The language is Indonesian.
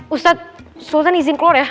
ustadz sultan izin keluar ya